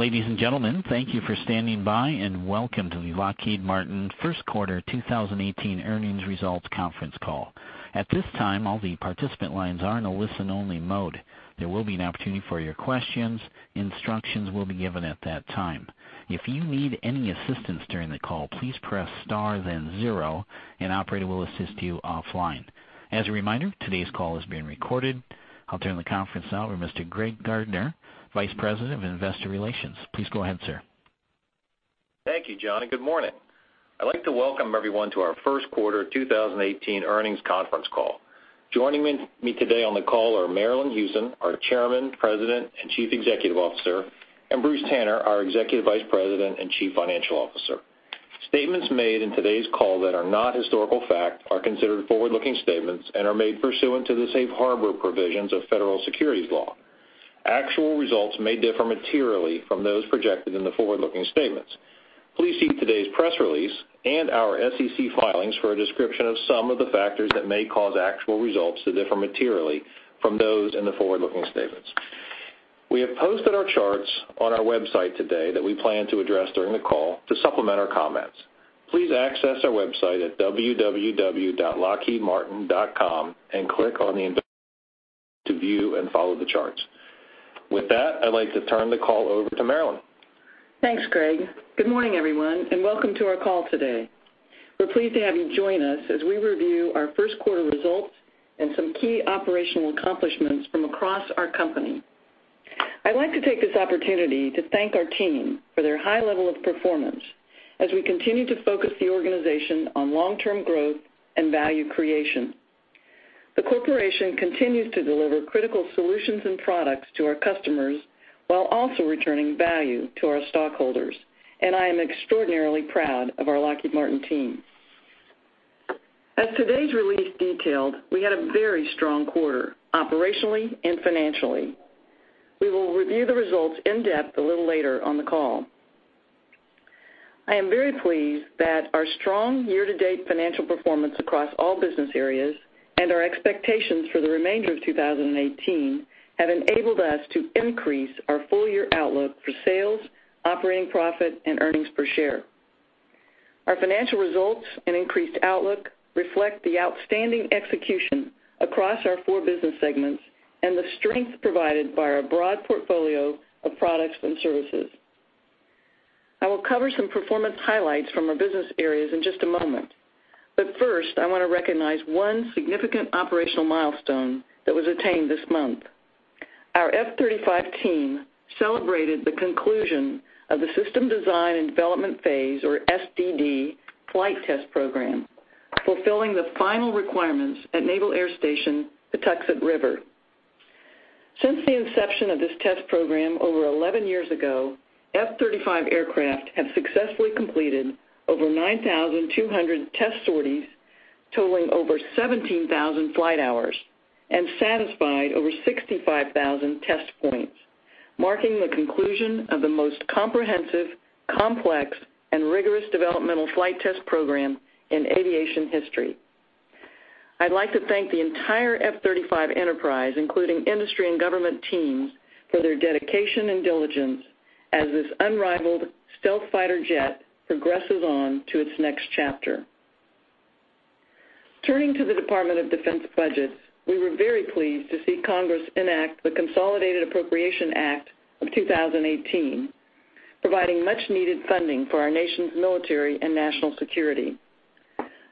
Ladies and gentlemen, thank you for standing by. Welcome to the Lockheed Martin First Quarter 2018 Earnings Results Conference Call. At this time, all the participant lines are in a listen only mode. There will be an opportunity for your questions. Instructions will be given at that time. If you need any assistance during the call, please press star then zero, an operator will assist you offline. As a reminder, today's call is being recorded. I'll turn the conference over to Mr. Greg Gardner, Vice President of Investor Relations. Please go ahead, sir. Thank you, John. Good morning. I'd like to welcome everyone to our first quarter 2018 earnings conference call. Joining me today on the call are Marillyn Hewson, our Chairman, President, and Chief Executive Officer, and Bruce Tanner, our Executive Vice President and Chief Financial Officer. Statements made in today's call that are not historical fact are considered forward-looking statements and are made pursuant to the safe harbor provisions of federal securities law. Actual results may differ materially from those projected in the forward-looking statements. Please see today's press release and our SEC filings for a description of some of the factors that may cause actual results to differ materially from those in the forward-looking statements. We have posted our charts on our website today that we plan to address during the call to supplement our comments. Please access our website at www.lockheedmartin.com. Click on the index to view and follow the charts. With that, I'd like to turn the call over to Marillyn. Thanks, Greg. Good morning, everyone. Welcome to our call today. We're pleased to have you join us as we review our first quarter results and some key operational accomplishments from across our company. I'd like to take this opportunity to thank our team for their high level of performance as we continue to focus the organization on long-term growth and value creation. The corporation continues to deliver critical solutions and products to our customers while also returning value to our stockholders. I am extraordinarily proud of our Lockheed Martin team. As today's release detailed, we had a very strong quarter, operationally and financially. We will review the results in depth a little later on the call. I am very pleased that our strong year-to-date financial performance across all business areas and our expectations for the remainder of 2018 have enabled us to increase our full year outlook for sales, operating profit, and earnings per share. Our financial results and increased outlook reflect the outstanding execution across our four business segments and the strength provided by our broad portfolio of products and services. I will cover some performance highlights from our business areas in just a moment, but first, I want to recognize one significant operational milestone that was attained this month. Our F-35 team celebrated the conclusion of the System Design and Development phase, or SDD, flight test program, fulfilling the final requirements at Naval Air Station Patuxent River. Since the inception of this test program over 11 years ago, F-35 aircraft have successfully completed over 9,200 test sorties totaling over 17,000 flight hours and satisfied over 65,000 test points, marking the conclusion of the most comprehensive, complex, and rigorous developmental flight test program in aviation history. I'd like to thank the entire F-35 enterprise, including industry and government teams, for their dedication and diligence as this unrivaled stealth fighter jet progresses on to its next chapter. Turning to the Department of Defense budgets, we were very pleased to see Congress enact the Consolidated Appropriations Act, 2018, providing much needed funding for our nation's military and national security.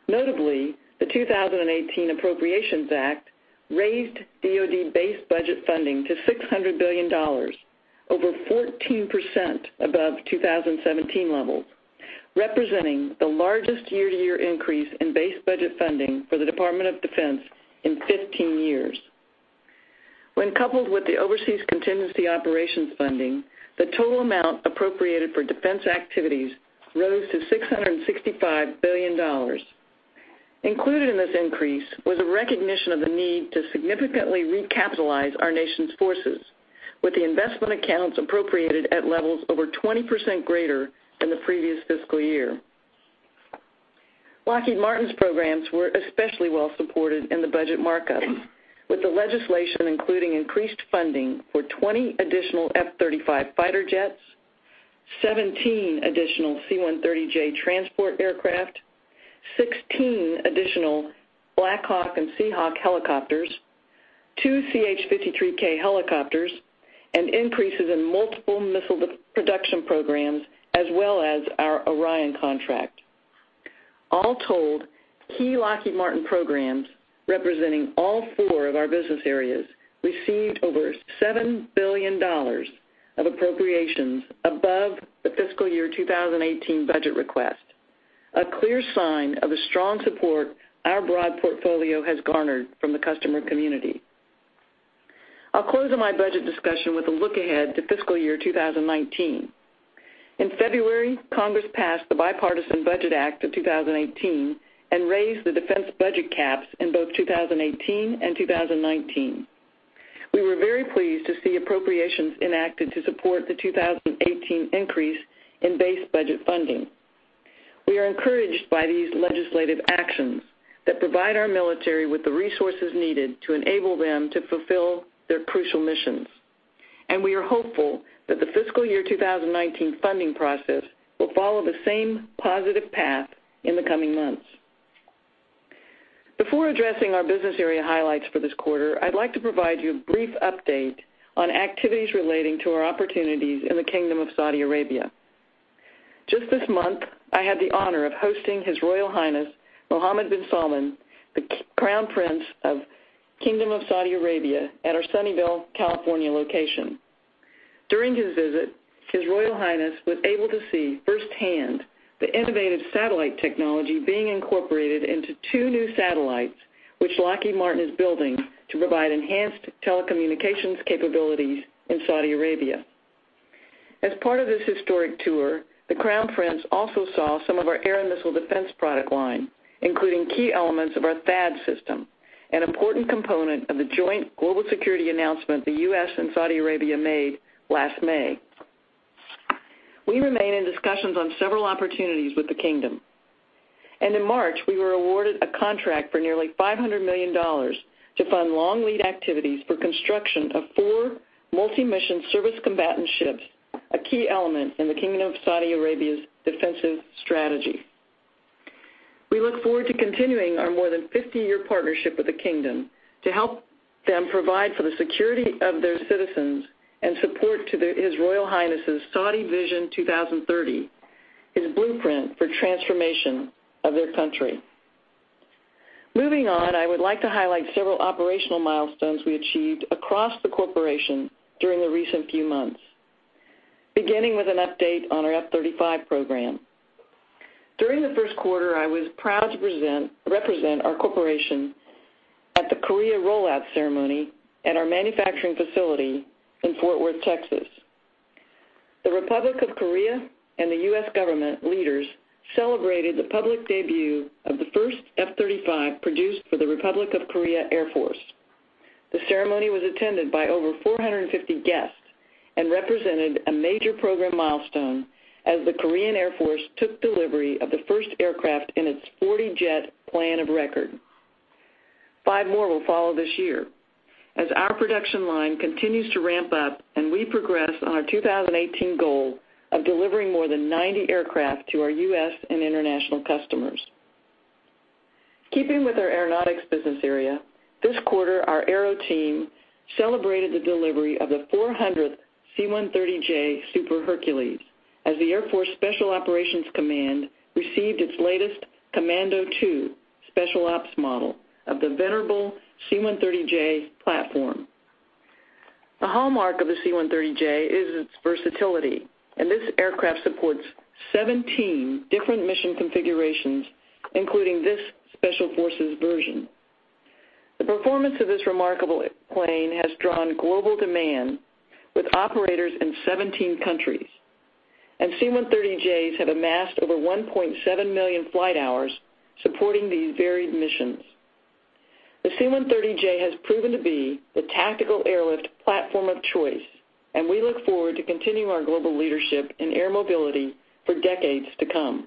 Notably, the 2018 Appropriations Act raised DoD base budget funding to $600 billion, over 14% above 2017 levels, representing the largest year-to-year increase in base budget funding for the Department of Defense in 15 years. When coupled with the overseas contingency operations funding, the total amount appropriated for defense activities rose to $665 billion. Included in this increase was a recognition of the need to significantly recapitalize our nation's forces with the investment accounts appropriated at levels over 20% greater than the previous fiscal year. Lockheed Martin's programs were especially well supported in the budget markup, with the legislation including increased funding for 20 additional F-35 fighter jets, 17 additional C-130J transport aircraft, 16 additional Black Hawk and Seahawk helicopters, two CH-53K helicopters, and increases in multiple missile production programs, as well as our Orion contract. All told, key Lockheed Martin programs, representing all four of our business areas, received over $7 billion of appropriations above the fiscal year 2018 budget request, a clear sign of the strong support our broad portfolio has garnered from the customer community. I'll close on my budget discussion with a look ahead to fiscal year 2019. In February, Congress passed the Bipartisan Budget Act of 2018 and raised the defense budget caps in both 2018 and 2019. We were very pleased to see appropriations enacted to support the 2018 increase in base budget funding. We are encouraged by these legislative actions that provide our military with the resources needed to enable them to fulfill their crucial missions. We are hopeful that the fiscal year 2019 funding process will follow the same positive path in the coming months. Before addressing our business area highlights for this quarter, I'd like to provide you a brief update on activities relating to our opportunities in the Kingdom of Saudi Arabia. Just this month, I had the honor of hosting His Royal Highness, Mohammed bin Salman, the Crown Prince of Kingdom of Saudi Arabia, at our Sunnyvale, California, location. During his visit, His Royal Highness was able to see firsthand the innovative satellite technology being incorporated into two new satellites, which Lockheed Martin is building to provide enhanced telecommunications capabilities in Saudi Arabia. As part of this historic tour, the Crown Prince also saw some of our air and missile defense product line, including key elements of our THAAD system, an important component of the joint global security announcement the U.S. and Saudi Arabia made last May. We remain in discussions on several opportunities with the Kingdom. In March, we were awarded a contract for nearly $500 million to fund long lead activities for construction of four multi-mission service combatant ships, a key element in the Kingdom of Saudi Arabia's defensive strategy. We look forward to continuing our more than 50-year partnership with the Kingdom to help them provide for the security of their citizens and support to His Royal Highness's Saudi Vision 2030, his blueprint for transformation of their country. Moving on, I would like to highlight several operational milestones we achieved across the corporation during the recent few months, beginning with an update on our F-35 program. During the first quarter, I was proud to represent our corporation at the Korea rollout ceremony at our manufacturing facility in Fort Worth, Texas. The Republic of Korea and the U.S. government leaders celebrated the public debut of the first F-35 produced for the Republic of Korea Air Force. The ceremony was attended by over 450 guests and represented a major program milestone as the Korean Air Force took delivery of the first aircraft in its 40-jet plan of record. Five more will follow this year as our production line continues to ramp up and we progress on our 2018 goal of delivering more than 90 aircraft to our U.S. and international customers. Keeping with our aeronautics business area, this quarter, our Aero team celebrated the delivery of the 400th C-130J Super Hercules as the Air Force Special Operations Command received its latest Commando 2 special ops model of the venerable C-130J platform. The hallmark of the C-130J is its versatility. This aircraft supports 17 different mission configurations, including this special forces version. The performance of this remarkable plane has drawn global demand with operators in 17 countries, and C-130Js have amassed over 1.7 million flight hours supporting these varied missions. The C-130J has proven to be the tactical airlift platform of choice. We look forward to continuing our global leadership in air mobility for decades to come.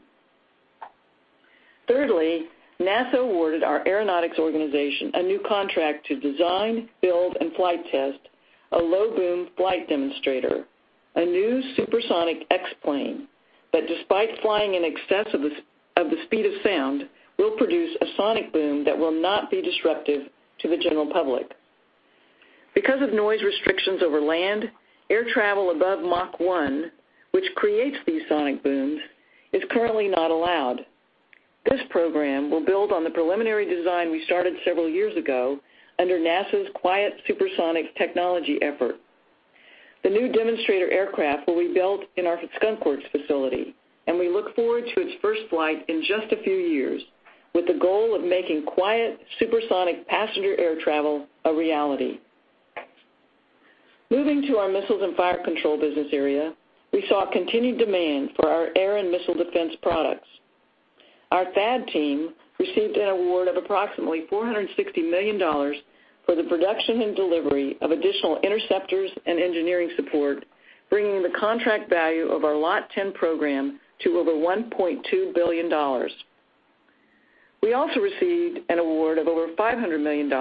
NASA awarded our aeronautics organization a new contract to design, build, and flight test a low-boom flight demonstrator, a new supersonic X-plane that, despite flying in excess of the speed of sound, will produce a sonic boom that will not be disruptive to the general public. Because of noise restrictions over land, air travel above Mach 1, which creates these sonic booms, is currently not allowed. This program will build on the preliminary design we started several years ago under NASA's Quiet SuperSonic Technology effort. The new demonstrator aircraft will be built in our Skunk Works facility, and we look forward to its first flight in just a few years, with the goal of making quiet, supersonic passenger air travel a reality. Moving to our Missiles and Fire Control business area, we saw continued demand for our air and missile defense products. Our THAAD team received an award of approximately $460 million for the production and delivery of additional interceptors and engineering support, bringing the contract value of our Lot 10 Program to over $1.2 billion. We also received an award of over $500 million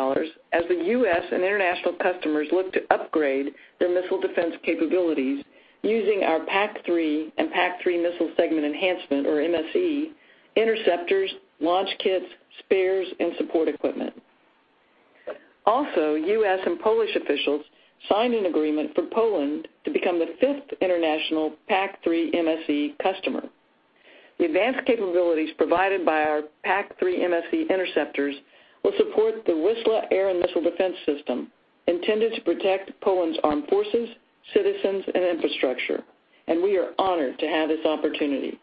as the U.S. and international customers look to upgrade their missile defense capabilities using our PAC-3 and PAC-3 Missile Segment Enhancement, or MSE, interceptors, launch kits, spares, and support equipment. U.S. and Polish officials signed an agreement for Poland to become the fifth international PAC-3 MSE customer. The advanced capabilities provided by our PAC-3 MSE interceptors will support the Wisła Air and Missile Defense System, intended to protect Poland's armed forces, citizens, and infrastructure. We are honored to have this opportunity.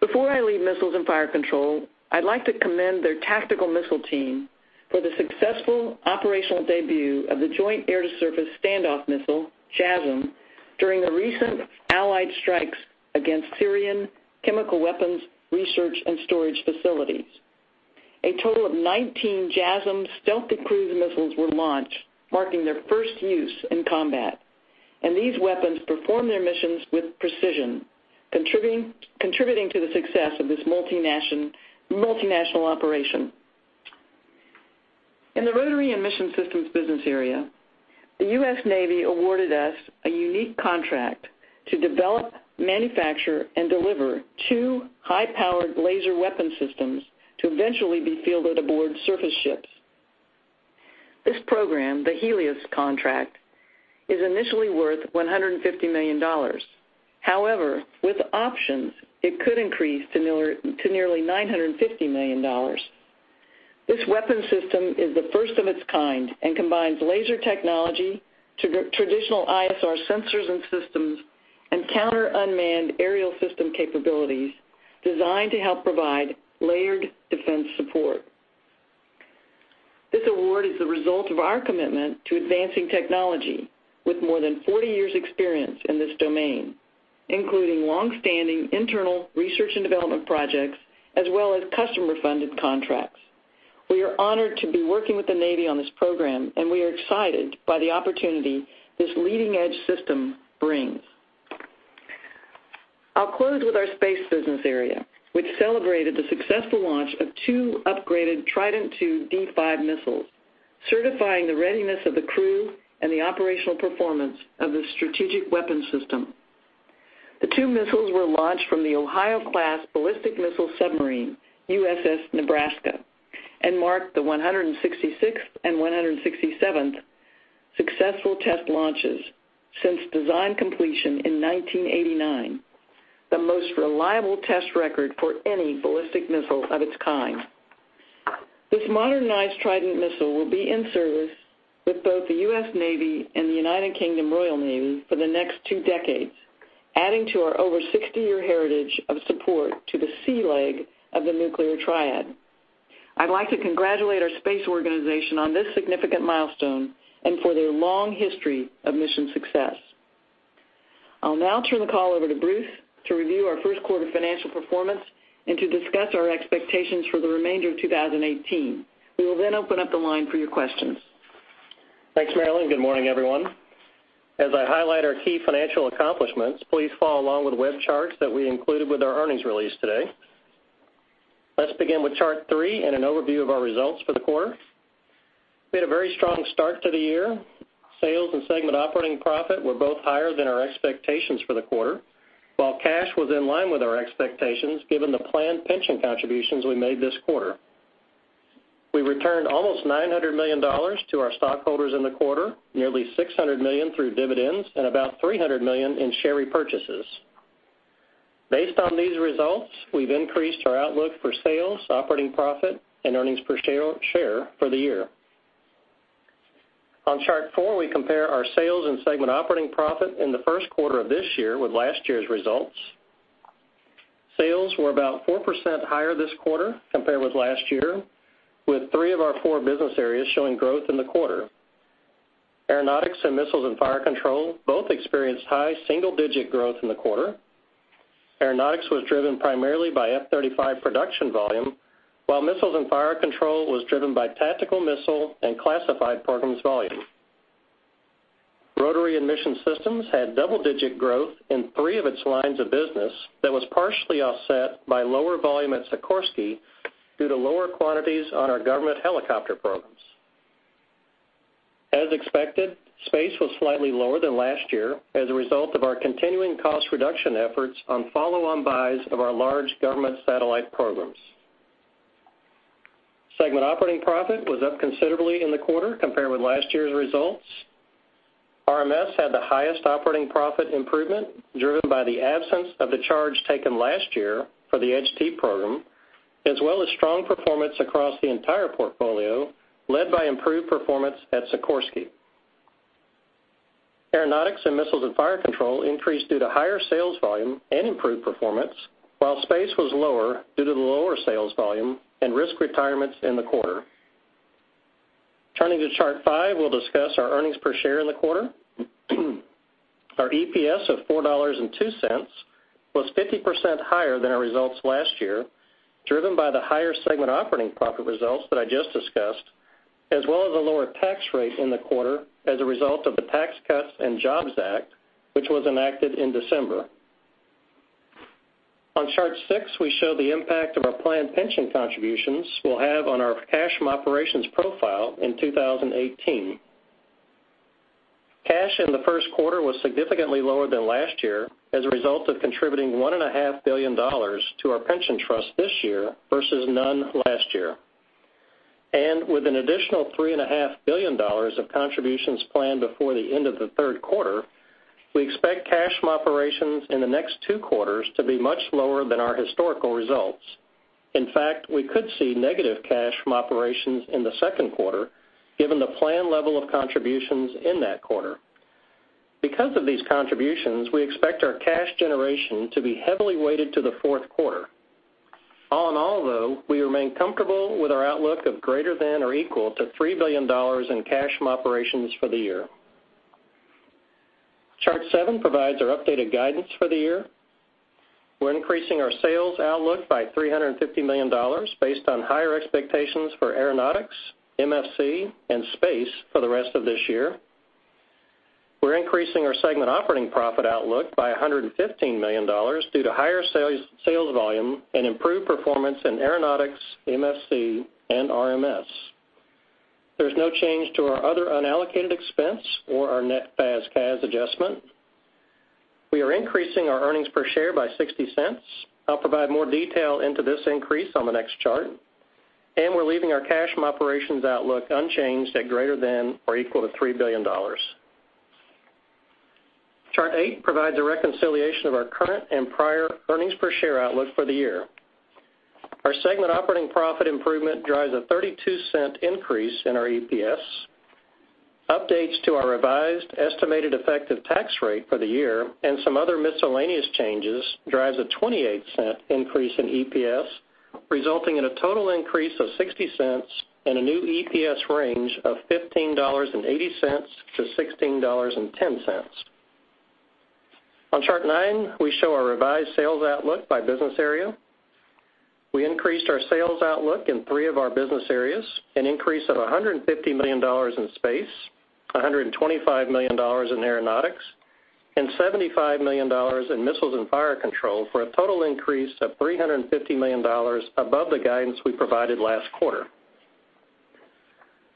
Before I leave Missiles and Fire Control, I'd like to commend their tactical missile team for the successful operational debut of the Joint Air-to-Surface Standoff Missile, JASSM, during the recent allied strikes against Syrian chemical weapons research and storage facilities. A total of 19 JASSM stealthy cruise missiles were launched, marking their first use in combat. These weapons performed their missions with precision, contributing to the success of this multinational operation. In the Rotary and Mission Systems business area, the U.S. Navy awarded us a unique contract to develop, manufacture, and deliver two high-powered laser weapon systems to eventually be fielded aboard surface ships. This program, the HELIOS contract, is initially worth $150 million. However, with options, it could increase to nearly $950 million. This weapon system is the first of its kind and combines laser technology to traditional ISR sensors and systems and counter-unmanned aerial system capabilities designed to help provide layered defense support. This award is the result of our commitment to advancing technology with more than 40 years' experience in this domain, including longstanding internal research and development projects as well as customer-funded contracts. We are honored to be working with the Navy on this program, and we are excited by the opportunity this leading-edge system brings. I'll close with our Space business area, which celebrated the successful launch of two upgraded Trident II D5 missiles, certifying the readiness of the crew and the operational performance of the strategic weapon system. The two missiles were launched from the Ohio-class ballistic missile submarine, USS Nebraska, and marked the 166th and 167th successful test launches since design completion in 1989, the most reliable test record for any ballistic missile of its kind. This modernized Trident missile will be in service with both the U.S. Navy and the United Kingdom Royal Navy for the next two decades, adding to our over 60-year heritage of support to the sea leg of the nuclear triad. I'd like to congratulate our Space organization on this significant milestone and for their long history of mission success. I'll now turn the call over to Bruce to review our first quarter financial performance and to discuss our expectations for the remainder of 2018. We will then open up the line for your questions. Thanks, Marillyn. Good morning, everyone. As I highlight our key financial accomplishments, please follow along with the web charts that we included with our earnings release today. Let's begin with Chart 3 and an overview of our results for the quarter. We had a very strong start to the year. Sales and segment operating profit were both higher than our expectations for the quarter, while cash was in line with our expectations given the planned pension contributions we made this quarter. We returned almost $900 million to our stockholders in the quarter, nearly $600 million through dividends and about $300 million in share repurchases. Based on these results, we've increased our outlook for sales, operating profit and earnings per share for the year. On Chart 4, we compare our sales and segment operating profit in the first quarter of this year with last year's results. Sales were about 4% higher this quarter compared with last year, with three of our four business areas showing growth in the quarter. Aeronautics and Missiles and Fire Control both experienced high single-digit growth in the quarter. Aeronautics was driven primarily by F-35 production volume, while Missiles and Fire Control was driven by tactical missile and classified programs volume. Rotary and Mission Systems had double-digit growth in three of its lines of business that was partially offset by lower volume at Sikorsky due to lower quantities on our government helicopter programs. As expected, Space was slightly lower than last year as a result of our continuing cost reduction efforts on follow-on buys of our large government satellite programs. Segment operating profit was up considerably in the quarter compared with last year's results. RMS had the highest operating profit improvement, driven by the absence of the charge taken last year for the HT program, as well as strong performance across the entire portfolio, led by improved performance at Sikorsky. Aeronautics and Missiles and Fire Control increased due to higher sales volume and improved performance, while Space was lower due to the lower sales volume and risk retirements in the quarter. Turning to Chart 5, we'll discuss our earnings per share in the quarter. Our EPS of $4.02 was 50% higher than our results last year, driven by the higher segment operating profit results that I just discussed, as well as a lower tax rate in the quarter as a result of the Tax Cuts and Jobs Act, which was enacted in December. On Chart 6, we show the impact of our planned pension contributions will have on our cash from operations profile in 2018. Cash in the first quarter was significantly lower than last year as a result of contributing $1.5 billion to our pension trust this year versus none last year. With an additional $3.5 billion of contributions planned before the end of the third quarter, we expect cash from operations in the next two quarters to be much lower than our historical results. In fact, we could see negative cash from operations in the second quarter given the planned level of contributions in that quarter. Because of these contributions, we expect our cash generation to be heavily weighted to the fourth quarter. All in all, though, we remain comfortable with our outlook of greater than or equal to $3 billion in cash from operations for the year. Chart seven provides our updated guidance for the year. We're increasing our sales outlook by $350 million based on higher expectations for Aeronautics, MFC, and Space for the rest of this year. We're increasing our segment operating profit outlook by $115 million due to higher sales volume and improved performance in Aeronautics, MFC, and RMS. There's no change to our other unallocated expense or our net FAS/CAS adjustment. We are increasing our earnings per share by $0.60. I'll provide more detail into this increase on the next chart. We're leaving our cash from operations outlook unchanged at greater than or equal to $3 billion. Chart eight provides a reconciliation of our current and prior earnings per share outlook for the year. Our segment operating profit improvement drives a $0.32 increase in our EPS. Updates to our revised estimated effective tax rate for the year and some other miscellaneous changes drives a $0.28 increase in EPS, resulting in a total increase of $0.60 and a new EPS range of $15.80-$16.10. On Chart nine, we show our revised sales outlook by business area. We increased our sales outlook in three of our business areas, an increase of $150 million in Space, $125 million in Aeronautics, and $75 million in Missiles and Fire Control for a total increase of $350 million above the guidance we provided last quarter.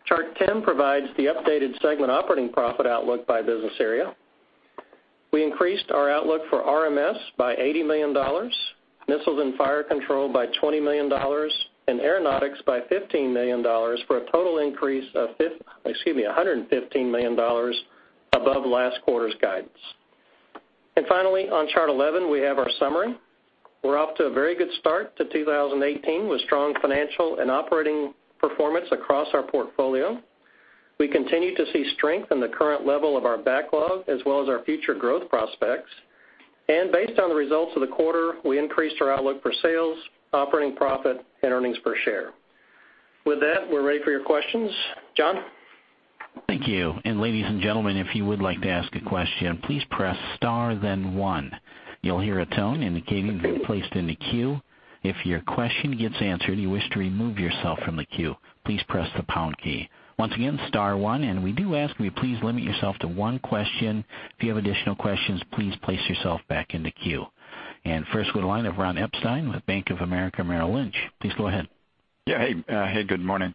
Chart 10 provides the updated segment operating profit outlook by business area. We increased our outlook for RMS by $80 million, Missiles and Fire Control by $20 million, and Aeronautics by $15 million for a total increase of, excuse me, $115 million above last quarter's guidance. Finally, on Chart 11, we have our summary. We're off to a very good start to 2018 with strong financial and operating performance across our portfolio. We continue to see strength in the current level of our backlog as well as our future growth prospects. Based on the results of the quarter, we increased our outlook for sales, operating profit, and earnings per share. With that, we're ready for your questions. John? Thank you. Ladies and gentlemen, if you would like to ask a question, please press star then one. You'll hear a tone indicating you've been placed in the queue. If your question gets answered and you wish to remove yourself from the queue, please press the pound key. Once again, star one, and we do ask that you please limit yourself to one question. If you have additional questions, please place yourself back in the queue. First we go to the line of Ron Epstein with Bank of America Merrill Lynch. Please go ahead. Yeah. Hey, good morning.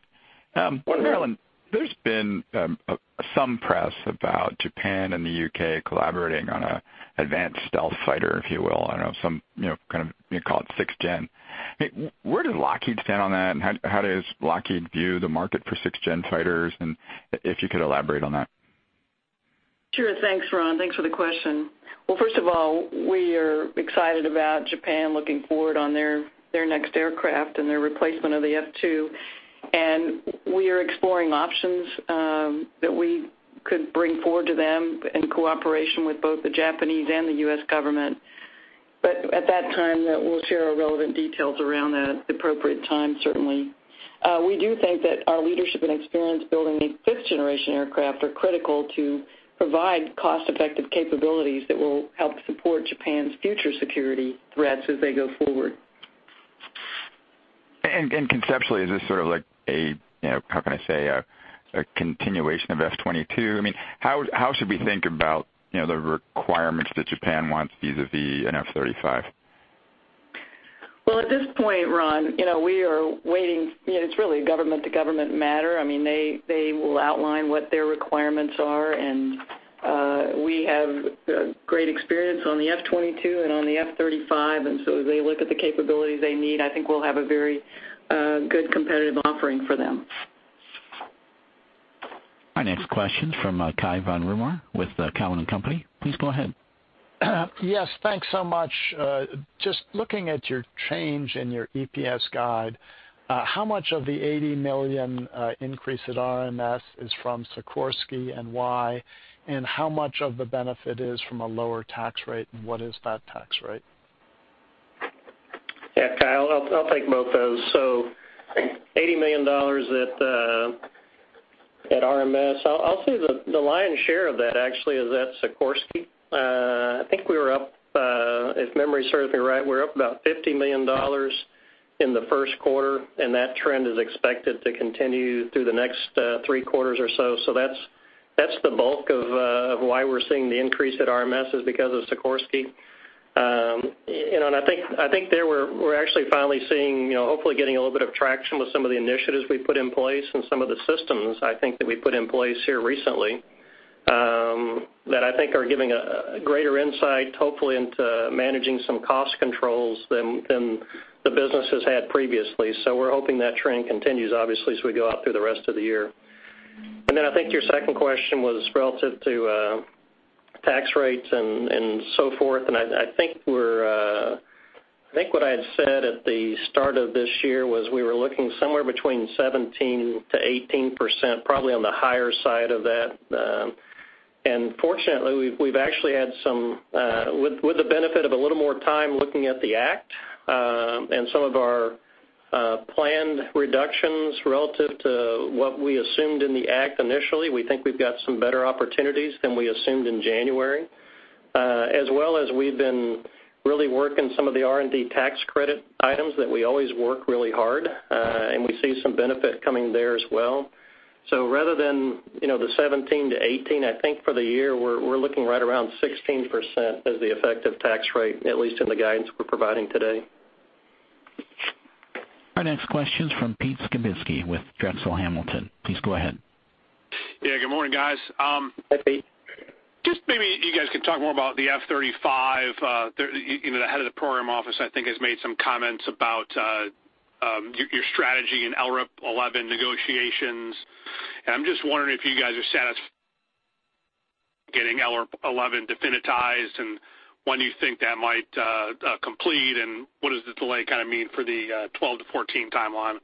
Good morning. Marillyn, there's been some press about Japan and the U.K. collaborating on an advanced stealth fighter, if you will. I don't know, some kind of, you call it sixth-gen. Where does Lockheed stand on that, and how does Lockheed view the market for sixth-gen fighters, and if you could elaborate on that? Sure. Thanks, Ron. Thanks for the question. First of all, we are excited about Japan looking forward on their next aircraft and their replacement of the F-2. We are exploring options that we could bring forward to them in cooperation with both the Japanese and the U.S. government. At that time, we'll share our relevant details around the appropriate time, certainly. We do think that our leadership and experience building a fifth-generation aircraft are critical to provide cost-effective capabilities that will help support Japan's future security threats as they go forward. Conceptually, is this sort of like a continuation of F-22? How should we think about the requirements that Japan wants vis-à-vis an F-35? At this point, Ron, we are waiting. It's really a government-to-government matter. They will outline what their requirements are, we have great experience on the F-22 and on the F-35. As they look at the capabilities they need, I think we'll have a very good competitive offering for them. Our next question from Cai von Rumohr with Cowen and Company. Please go ahead. Yes, thanks so much. Just looking at your change in your EPS guide, how much of the $80 million increase at RMS is from Sikorsky and why, how much of the benefit is from a lower tax rate, and what is that tax rate? Yeah, Cai, I'll take both those. $80 million at RMS. I'll say the lion's share of that actually is at Sikorsky. I think we were up, if memory serves me right, we're up about $50 million in the first quarter, that trend is expected to continue through the next three quarters or so. That's the bulk of why we're seeing the increase at RMS is because of Sikorsky. I think there, we're actually finally seeing, hopefully getting a little bit of traction with some of the initiatives we put in place and some of the systems, I think, that we put in place here recently, that I think are giving a greater insight, hopefully, into managing some cost controls than the business has had previously. We're hoping that trend continues, obviously, as we go out through the rest of the year. I think your second question was relative to tax rates and so forth, I think what I had said at the start of this year was we were looking somewhere between 17%-18%, probably on the higher side of that. Fortunately, we've actually had some, with the benefit of a little more time looking at the act, some of our planned reductions relative to what we assumed in the act initially, we think we've got some better opportunities than we assumed in January. As well as we've been really working some of the R&D tax credit items that we always work really hard, we see some benefit coming there as well. Rather than the 17%-18%, I think for the year, we're looking right around 16% as the effective tax rate, at least in the guidance we're providing today. Our next question is from Peter Skibitski with Drexel Hamilton. Please go ahead. Yeah, good morning, guys. Hi, Pete. Just maybe you guys can talk more about the F-35. The head of the program office, I think, has made some comments about your strategy in LRIP 11 negotiations. I'm just wondering if you guys are satisfied getting LRIP 11 definitized, and when you think that might complete, and what does the delay kind of mean for the 2012-2014 timeline?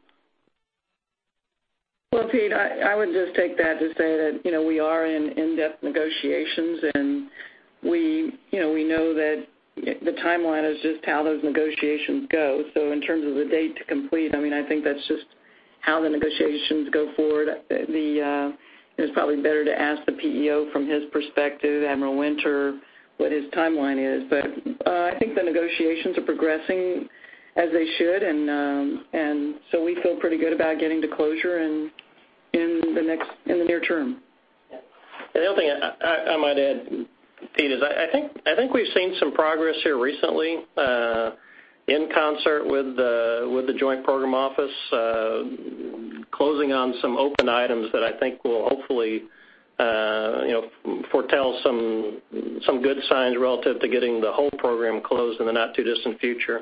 Well, Pete, I would just take that to say that we are in in-depth negotiations, and we know that the timeline is just how those negotiations go. In terms of the date to complete, I think that's just how the negotiations go forward. It's probably better to ask the PEO from his perspective, Mat Winter, what his timeline is. I think the negotiations are progressing as they should, and we feel pretty good about getting to closure in the near term. The other thing I might add, Pete, is I think we've seen some progress here recently in concert with the Joint Program Office, closing on some open items that I think will hopefully foretell some good signs relative to getting the whole program closed in the not-too-distant future.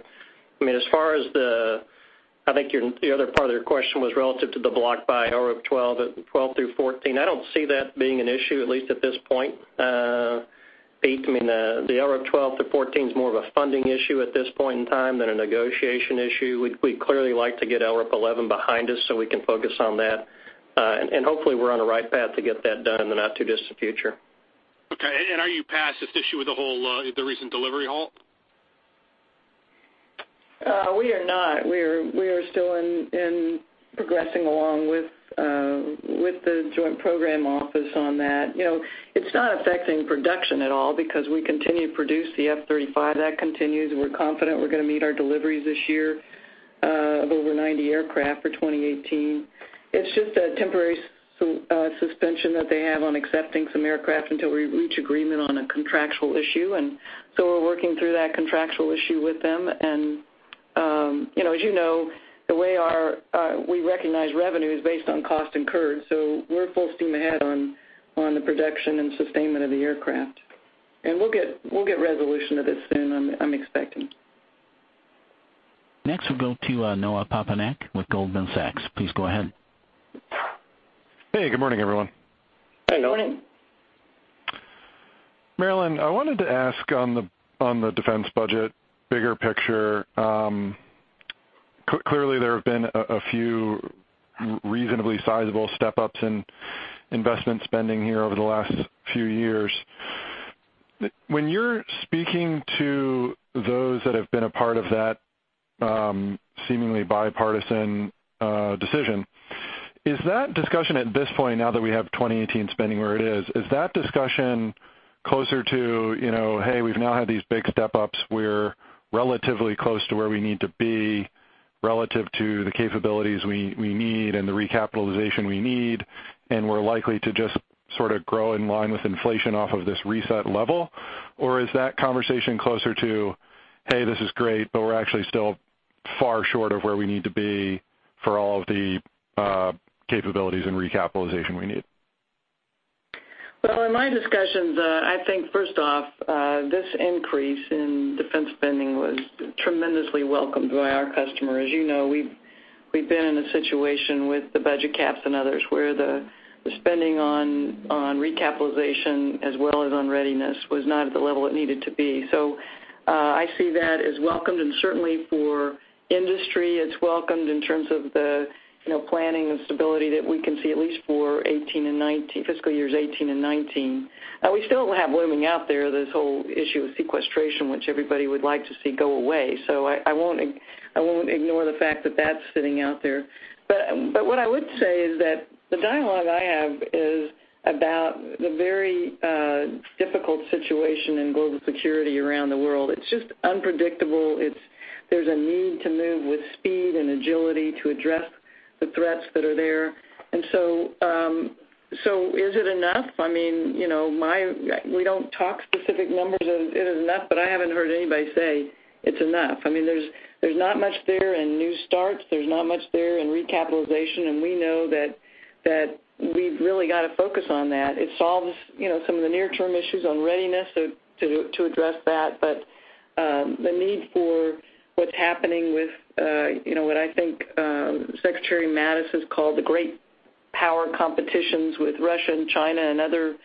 I think the other part of your question was relative to the block buy LRIP 12 through 14. I don't see that being an issue, at least at this point, Pete. The LRIP 12 to 14 is more of a funding issue at this point in time than a negotiation issue. We'd clearly like to get LRIP 11 behind us so we can focus on that. Hopefully, we're on the right path to get that done in the not-too-distant future. Okay, are you past this issue with the recent delivery halt? We are not. We are still progressing along with the Joint Program Office on that. It's not affecting production at all because we continue to produce the F-35. That continues. We're confident we're going to meet our deliveries this year of over 90 aircraft for 2018. It's just a temporary suspension that they have on accepting some aircraft until we reach agreement on a contractual issue. We're working through that contractual issue with them. As you know, the way we recognize revenue is based on cost incurred. We're full steam ahead on the production and sustainment of the aircraft. We'll get resolution to this soon, I'm expecting. Next, we'll go to Noah Poponak with Goldman Sachs. Please go ahead. Hey, good morning, everyone. Good morning. Marillyn, I wanted to ask on the defense budget, bigger picture. Clearly, there have been a few reasonably sizable step-ups in investment spending here over the last few years. When you're speaking to those that have been a part of that seemingly bipartisan decision, is that discussion at this point, now that we have 2018 spending where it is that discussion closer to, "Hey, we've now had these big step-ups. We're relatively close to where we need to be, relative to the capabilities we need and the recapitalization we need, and we're likely to just sort of grow in line with inflation off of this reset level"? Or is that conversation closer to, "Hey, this is great, but we're actually still far short of where we need to be for all of the capabilities and recapitalization we need"? Well, in my discussions, I think, first off, this increase in defense spending was tremendously welcomed by our customers. As you know, we've been in a situation with the budget caps and others where the spending on recapitalization as well as on readiness was not at the level it needed to be. I see that as welcomed, and certainly for industry, it's welcomed in terms of the planning and stability that we can see at least for fiscal years 2018 and 2019. We still have looming out there this whole issue of sequestration, which everybody would like to see go away. I won't ignore the fact that that's sitting out there. What I would say is that the dialogue I have is about the very difficult situation in global security around the world. It's just unpredictable. There's a need to move with speed and agility to address the threats that are there. Is it enough? We don't talk specific numbers of is it enough, but I haven't heard anybody say it's enough. There's not much there in new starts. There's not much there in recapitalization, and we know that we've really got to focus on that. It solves some of the near-term issues on readiness to address that. The need for what's happening with what I think Secretary Mattis has called the great power competitions with Russia and China and other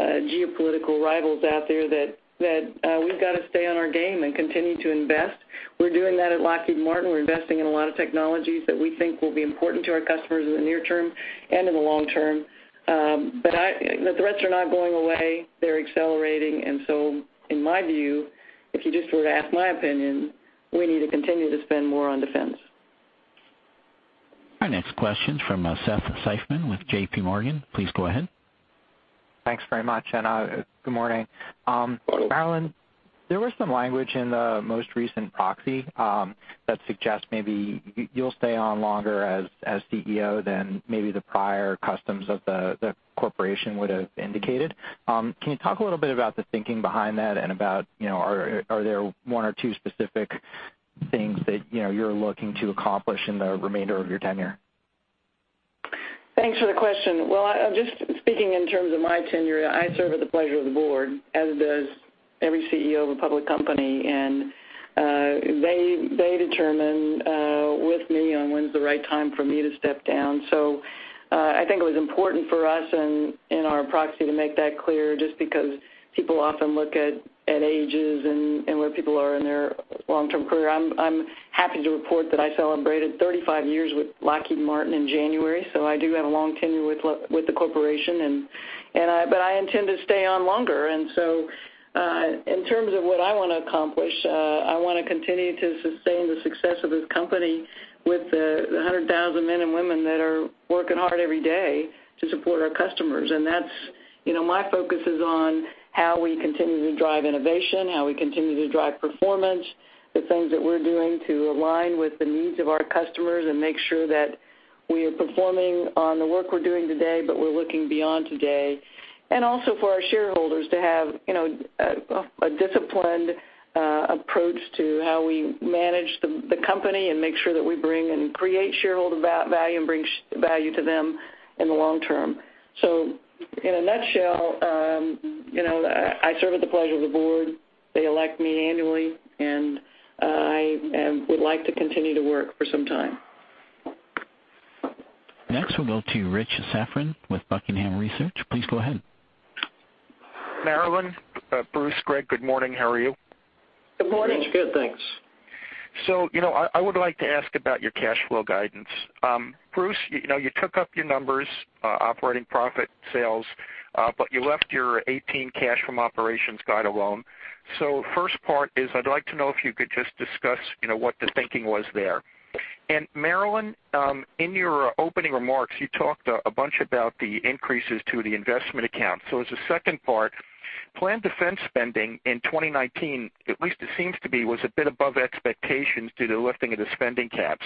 geopolitical rivals out there, that we've got to stay on our game and continue to invest. We're doing that at Lockheed Martin. We're investing in a lot of technologies that we think will be important to our customers in the near term and in the long term. The threats are not going away. They're accelerating. In my view, if you just were to ask my opinion, we need to continue to spend more on defense. Our next question from Seth Seifman with JPMorgan. Please go ahead. Thanks very much, and good morning. Good morning. Marillyn, there was some language in the most recent proxy that suggests maybe you'll stay on longer as CEO than maybe the prior customs of the corporation would have indicated. Can you talk a little bit about the thinking behind that and about, are there one or two specific things that you're looking to accomplish in the remainder of your tenure? Thanks for the question. Well, just speaking in terms of my tenure, I serve at the pleasure of the board, as does every CEO of a public company. They determine, with me on when's the right time for me to step down. I think it was important for us in our proxy to make that clear, just because people often look at ages and where people are in their long-term career. I'm happy to report that I celebrated 35 years with Lockheed Martin in January, I do have a long tenure with the corporation, but I intend to stay on longer. In terms of what I want to accomplish, I want to continue to sustain the success of this company with the 100,000 men and women that are working hard every day to support our customers. My focus is on how we continue to drive innovation, how we continue to drive performance, the things that we're doing to align with the needs of our customers and make sure that we are performing on the work we're doing today, but we're looking beyond today. Also for our shareholders to have a disciplined approach to how we manage the company and make sure that we bring and create shareholder value and bring value to them in the long term. In a nutshell, I serve at the pleasure of the board. They elect me annually, and I would like to continue to work for some time. Next we'll go to Rich Safran with Buckingham Research. Please go ahead. Marillyn, Bruce, Greg, good morning. How are you? Good morning. Rich, good, thanks. I would like to ask about your cash flow guidance. Bruce, you took up your numbers, operating profit, sales, but you left your 2018 cash from operations guide alone. The first part is, I'd like to know if you could just discuss what the thinking was there. Marillyn, in your opening remarks, you talked a bunch about the increases to the investment account. As a second part, planned defense spending in 2019, at least it seems to be, was a bit above expectations due to lifting of the spending caps.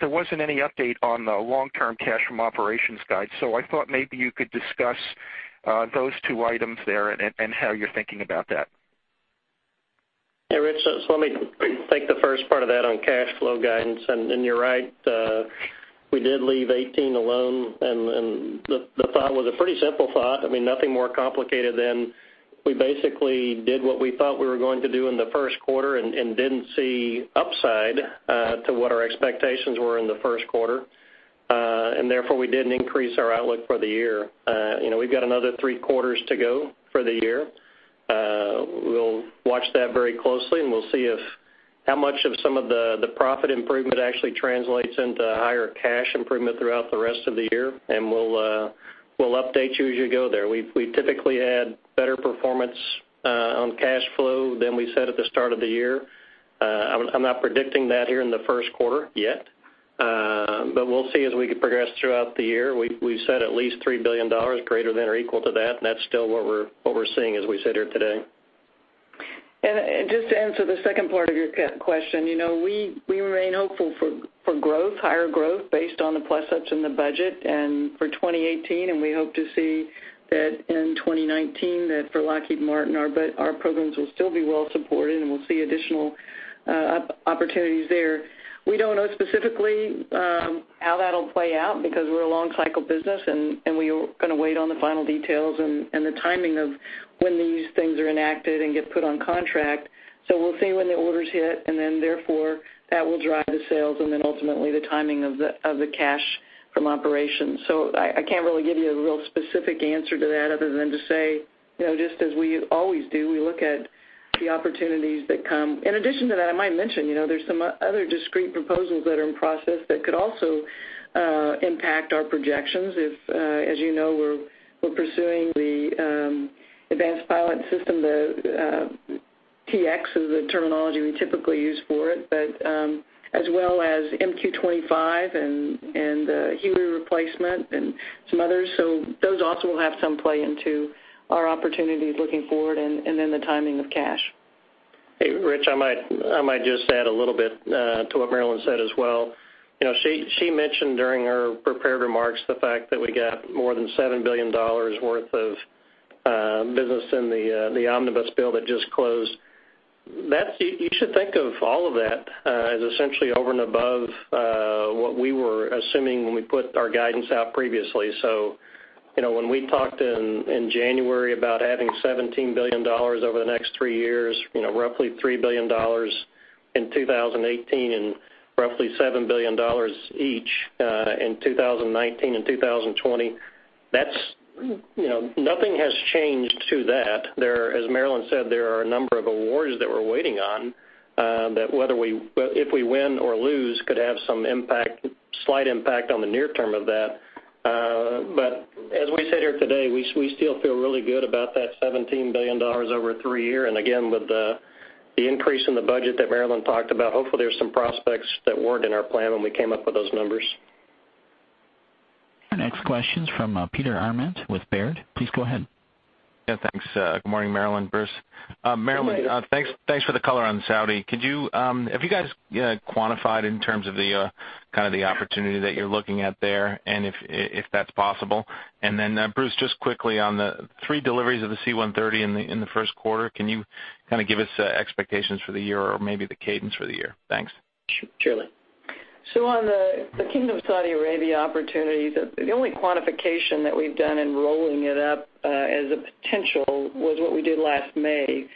There wasn't any update on the long-term cash from operations guide. I thought maybe you could discuss those two items there and how you're thinking about that. Hey, Rich. Let me take the first part of that on cash flow guidance. You're right, we did leave 2018 alone, the thought was a pretty simple thought. I mean, nothing more complicated than we basically did what we thought we were going to do in the first quarter and didn't see upside to what our expectations were in the first quarter. Therefore, we didn't increase our outlook for the year. We've got another three quarters to go for the year. We'll watch that very closely, we'll see how much of some of the profit improvement actually translates into higher cash improvement throughout the rest of the year, we'll update you as you go there. We typically had better performance on cash flow than we said at the start of the year. I'm not predicting that here in the first quarter yet. We'll see as we progress throughout the year. We've said at least $3 billion, greater than or equal to that's still what we're seeing as we sit here today. Just to answer the second part of your question, we remain hopeful for higher growth based on the plus-ups in the budget, for 2018, we hope to see that in 2019, that for Lockheed Martin, our programs will still be well supported, we'll see additional opportunities there. We don't know specifically how that'll play out because we're a long cycle business, we are going to wait on the final details and the timing of when these things are enacted and get put on contract. We'll see when the orders hit, therefore, that will drive the sales ultimately the timing of the cash from operations. I can't really give you a real specific answer to that other than to say, just as we always do, we look at the opportunities that come. In addition to that, I might mention, there's some other discrete proposals that are in process that could also impact our projections if, as you know, we're pursuing the Advanced Pilot Training system, the TX is the terminology we typically use for it, but as well as MQ-25 and the Huey replacement and some others. Those also will have some play into our opportunities looking forward and then the timing of cash. Hey, Rich, I might just add a little bit to what Marillyn said as well. She mentioned during her prepared remarks the fact that we got more than $7 billion worth of business in the omnibus bill that just closed. You should think of all of that as essentially over and above what we were assuming when we put our guidance out previously. When we talked in January about adding $17 billion over the next three years, roughly $3 billion in 2018 and roughly $7 billion each in 2019 and 2020, nothing has changed to that. As Marillyn said, there are a number of awards that we're waiting on, that if we win or lose, could have some slight impact on the near term of that. As we sit here today, we still feel really good about that $17 billion over three year. Again, with the increase in the budget that Marillyn talked about, hopefully, there's some prospects that weren't in our plan when we came up with those numbers. Our next question's from Peter Arment with Baird. Please go ahead. Yeah, thanks. Good morning, Marillyn, Bruce. Good morning. Marillyn, thanks for the color on Saudi. Have you guys quantified in terms of the kind of the opportunity that you're looking at there, and if that's possible? Bruce, just quickly on the three deliveries of the C-130 in the first quarter, can you kind of give us expectations for the year or maybe the cadence for the year? Thanks. Sure. On the Kingdom of Saudi Arabia opportunities, the only quantification that we've done in rolling it up, as a potential, was what we did last May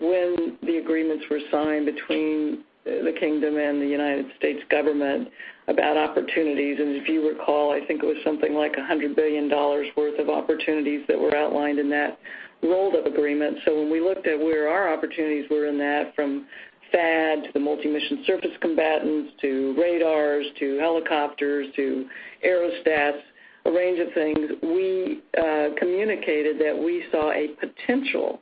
when the agreements were signed between the kingdom and the U.S. government about opportunities. If you recall, I think it was something like $100 billion worth of opportunities that were outlined in that rolled-up agreement. When we looked at where our opportunities were in that, from THAAD to the multi-mission surface combatants to radars to helicopters to aerostats, a range of things, we communicated that we saw a potential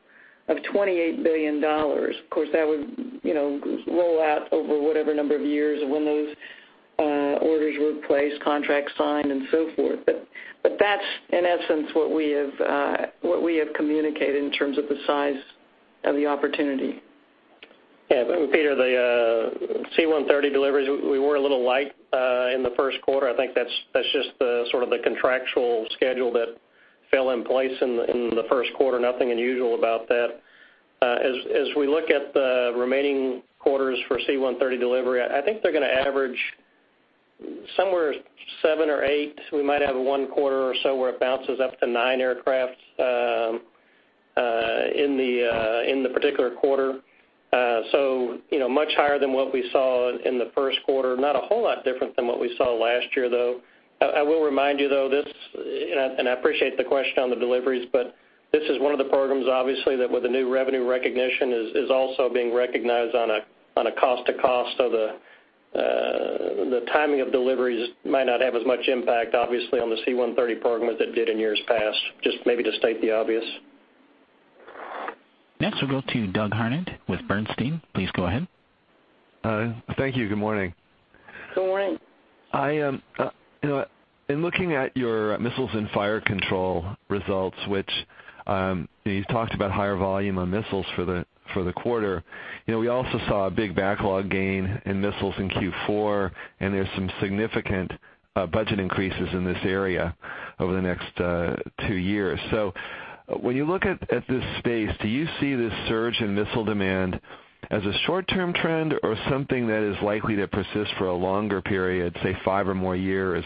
of $28 billion. Of course, that would roll out over whatever number of years when those orders were placed, contracts signed, and so forth. That's, in essence, what we have communicated in terms of the size of the opportunity. Peter, the C-130 deliveries, we were a little light in the first quarter. I think that's just the sort of the contractual schedule that fell in place in the first quarter. Nothing unusual about that. As we look at the remaining quarters for C-130 delivery, I think they're going to average somewhere seven or eight. We might have one quarter or so where it bounces up to nine aircrafts in the particular quarter. Much higher than what we saw in the first quarter. Not a whole lot different than what we saw last year, though. I will remind you, though, I appreciate the question on the deliveries, this is one of the programs, obviously, that with the new revenue recognition is also being recognized on a cost to cost of the timing of deliveries might not have as much impact, obviously, on the C-130 program as it did in years past. Just maybe to state the obvious. Next, we'll go to Douglas Harned with Bernstein. Please go ahead. Thank you. Good morning. Good morning. In looking at your Missiles and Fire Control results, which you've talked about higher volume on missiles for the quarter. We also saw a big backlog gain in missiles in Q4, and there's some significant budget increases in this area over the next 2 years. When you look at this space, do you see this surge in missile demand as a short-term trend or something that is likely to persist for a longer period, say, 5 or more years?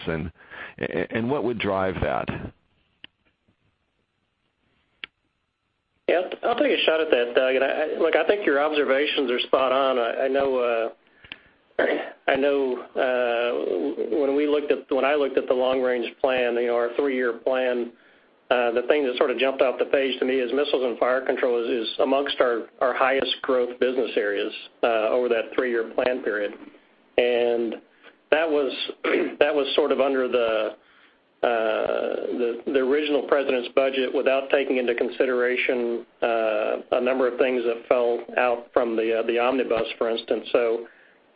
What would drive that? Yeah, I'll take a shot at that, Doug. Look, I think your observations are spot on. I know when I looked at the long-range plan, our 3-year plan, the thing that sort of jumped off the page to me is Missiles and Fire Control is amongst our highest growth business areas, over that 3-year plan period. That was sort of under the original president's budget without taking into consideration a number of things that fell out from the Omnibus, for instance.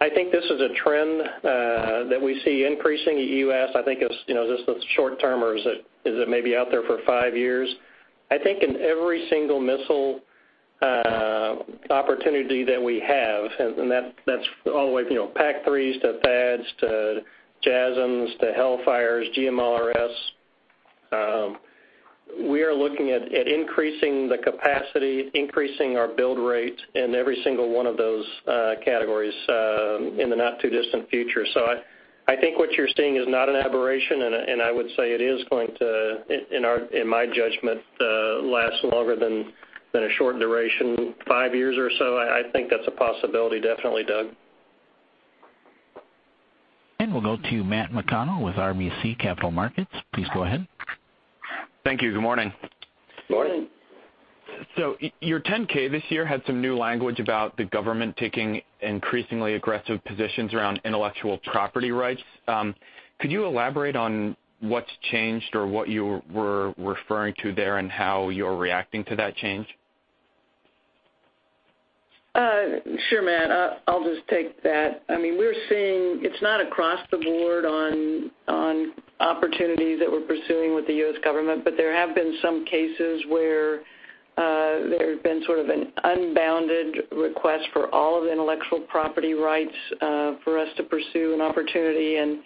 I think this is a trend that we see increasing at U.S. I think, is this short term or is it maybe out there for 5 years? I think in every single missile opportunity that we have, and that's all the way from PAC-3s to THAADs to JASSMs to Hellfire, GMLRS, we are looking at increasing the capacity, increasing our build rate in every single one of those categories in the not-too-distant future. I think what you're seeing is not an aberration, and I would say it is going to, in my judgment, last longer than a short duration. 5 years or so, I think that's a possibility, definitely, Doug. We'll go to Matt McConnell with RBC Capital Markets. Please go ahead. Thank you. Good morning. Good morning. Your 10-K this year had some new language about the government taking increasingly aggressive positions around intellectual property rights. Could you elaborate on what's changed or what you were referring to there and how you're reacting to that change? Sure, Matt. I'll just take that. We're seeing it's not across the board on opportunities that we're pursuing with the U.S. government, but there have been some cases where there's been sort of an unbounded request for all of the intellectual property rights for us to pursue an opportunity.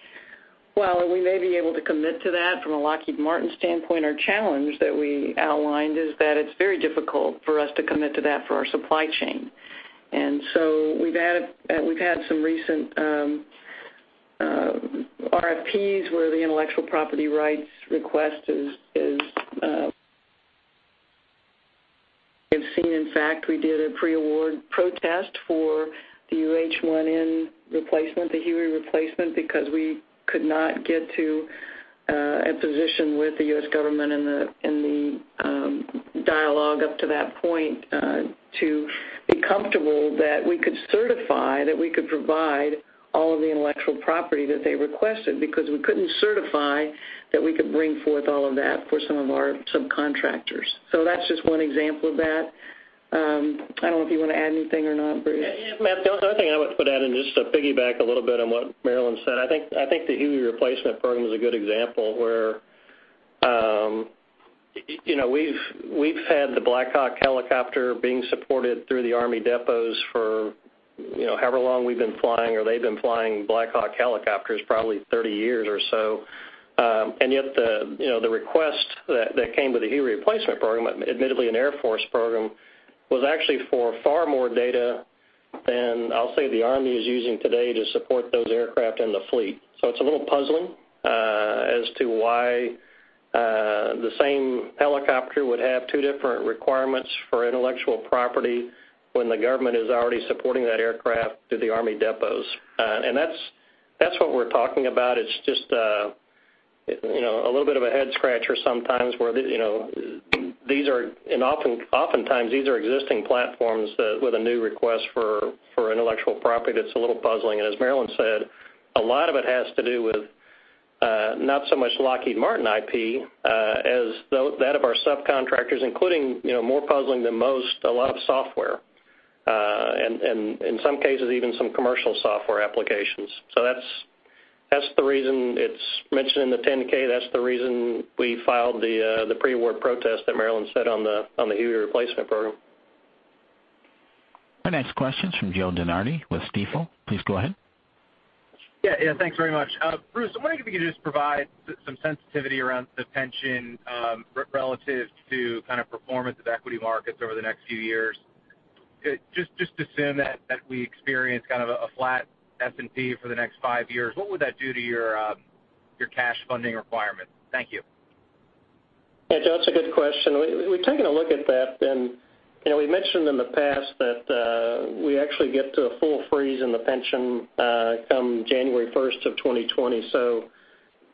While we may be able to commit to that from a Lockheed Martin standpoint, our challenge that we outlined is that it's very difficult for us to commit to that for our supply chain. We've had some recent RFPs where the intellectual property rights request is have seen, in fact, we did a pre-award protest for the UH-1N replacement, the Huey replacement, because we could not get to a position with the U.S. government in the dialogue up to that point, to be comfortable that we could certify that we could provide all of the intellectual property that they requested because we couldn't certify that we could bring forth all of that for some of our subcontractors. That's just one example of that. I don't know if you want to add anything or not, Bruce. The only thing I would put out, just to piggyback a little bit on what Marillyn said, I think the Huey replacement program is a good example where we've had the Black Hawk helicopter being supported through the Army depots for however long we've been flying or they've been flying Black Hawk helicopters, probably 30 years or so. Yet the request that came with the Huey replacement program, admittedly an Air Force program, was actually for far more data than I'll say the Army is using today to support those aircraft in the fleet. It's a little puzzling, as to why the same helicopter would have two different requirements for intellectual property when the government is already supporting that aircraft through the Army depots. That's what we're talking about. It's just a little bit of a head scratcher sometimes where these are, oftentimes these are existing platforms with a new request for intellectual property that's a little puzzling. As Marillyn said, a lot of it has to do with, not so much Lockheed Martin IP, as that of our subcontractors, including more puzzling than most, a lot of software. In some cases, even some commercial software applications. That's the reason it's mentioned in the 10-K. That's the reason we filed the pre-award protest that Marillyn said on the Huey replacement program. Our next question's from Joseph DeNardi with Stifel. Please go ahead. Yeah. Thanks very much. Bruce, I'm wondering if you could just provide some sensitivity around the pension, relative to kind of performance of equity markets over the next few years. Just assume that we experience kind of a flat S&P for the next five years. What would that do to your cash funding requirements? Thank you. Yeah, that's a good question. We've taken a look at that. We mentioned in the past that we actually get to a full freeze in the pension, come January 1st of 2020.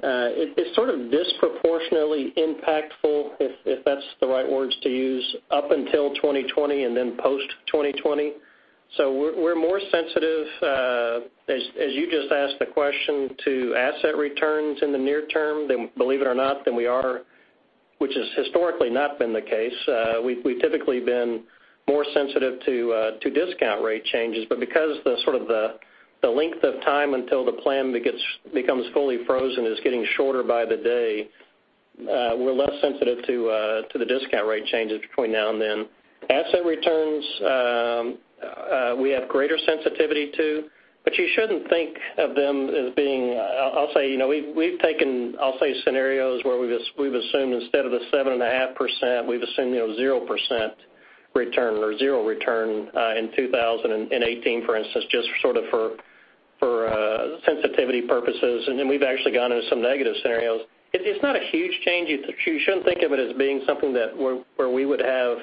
It's sort of disproportionately impactful, if that's the right words to use, up until 2020 and then post-2020. We're more sensitive, as you just asked the question, to asset returns in the near term, believe it or not, than we are, which has historically not been the case. We've typically been more sensitive to discount rate changes. Because the sort of the length of time until the plan becomes fully frozen is getting shorter by the day, we're less sensitive to the discount rate changes between now and then. Asset returns, we have greater sensitivity to. You shouldn't think of them as being I'll say we've taken scenarios where we've assumed instead of the 7.5%, we've assumed 0% return or zero return, in 2018, for instance, just sort of for sensitivity purposes. Then we've actually gone into some negative scenarios. It's not a huge change. You shouldn't think of it as being something that where we would have,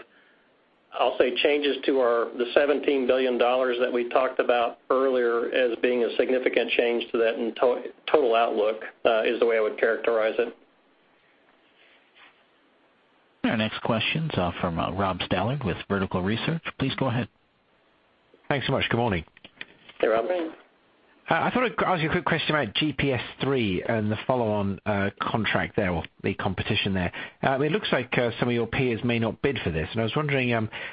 I'll say, changes to the $17 billion that we talked about earlier as being a significant change to that in total outlook, is the way I would characterize it. Our next question's from Rob Stallard with Vertical Research. Please go ahead. Thanks so much. Good morning. Hey, Rob. I thought I'd ask you a quick question about GPS III and the follow-on contract there, or the competition there. It looks like some of your peers may not bid for this, and I was wondering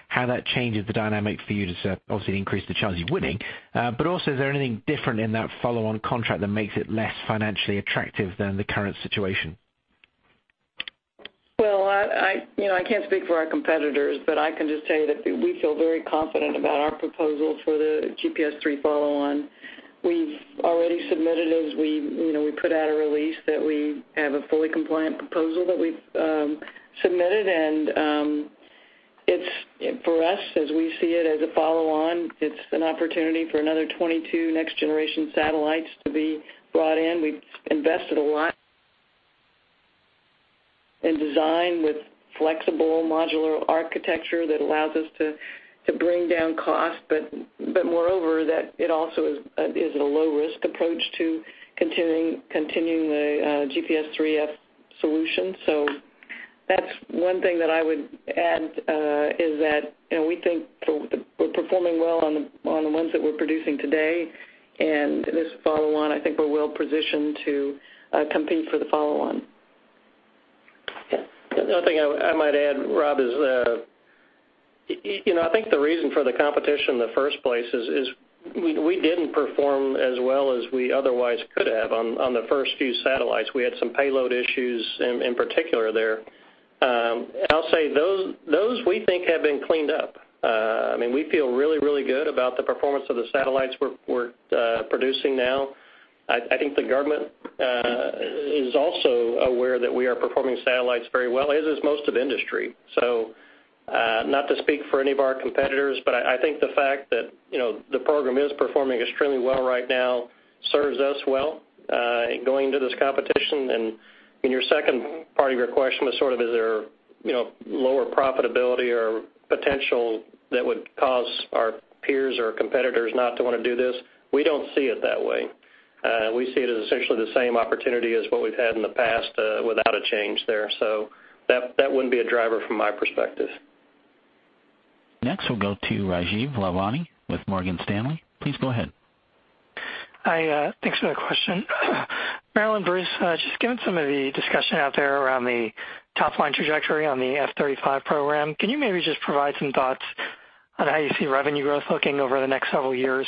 how that changes the dynamic for you to obviously increase the chance of winning. Also, is there anything different in that follow-on contract that makes it less financially attractive than the current situation? Well, I can't speak for our competitors, but I can just tell you that we feel very confident about our proposal for the GPS III follow-on. We've already submitted as we put out a release that we have a fully compliant proposal that we've submitted. For us, as we see it as a follow-on, it's an opportunity for another 22 next-generation satellites to be brought in. We've invested a lot in design with flexible modular architecture that allows us to bring down costs. Moreover, that it also is a low-risk approach to continuing the GPS IIIF solution. That's one thing that I would add, is that we think we're performing well on the ones that we're producing today, and this follow-on, I think we're well positioned to compete for the follow-on. The only thing I might add, Rob, is I think the reason for the competition in the first place is we didn't perform as well as we otherwise could have on the first few satellites. We had some payload issues in particular there. I'll say those we think have been cleaned up. We feel really good about the performance of the satellites we're producing now. I think the government is also aware that we are performing satellites very well, as is most of the industry. Not to speak for any of our competitors, but I think the fact that the program is performing extremely well right now serves us well, going into this competition. Your second part of your question was sort of is there lower profitability or potential that would cause our peers or competitors not to want to do this. We don't see it that way. We see it as essentially the same opportunity as what we've had in the past without a change there. That wouldn't be a driver from my perspective. Next, we'll go to Rajeev Lalwani with Morgan Stanley. Please go ahead. Hi. Thanks for the question. Marillyn, Bruce, just given some of the discussion out there around the top-line trajectory on the F-35 program, can you maybe just provide some thoughts on how you see revenue growth looking over the next several years